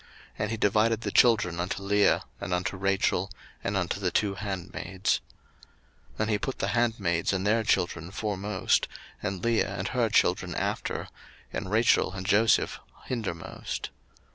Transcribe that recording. And he divided the children unto Leah, and unto Rachel, and unto the two handmaids. 01:033:002 And he put the handmaids and their children foremost, and Leah and her children after, and Rachel and Joseph hindermost.